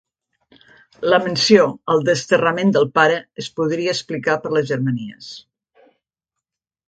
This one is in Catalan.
La menció al desterrament del pare es podria explicar per les Germanies.